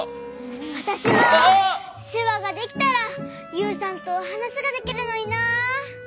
わたしもしゅわができたらユウさんとはなしができるのにな。